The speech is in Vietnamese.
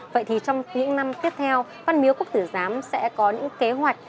vậy thì trong những năm tiếp theo văn miếu quốc tử giám sẽ có những kế hoạch